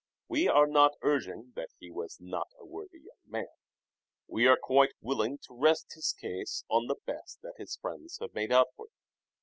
We are not urging that he was not a worthy young man. We are quite willing to rest his case on the best that his friends have made out for him.